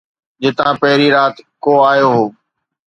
جتان پھرين رات ڪو آيو ھو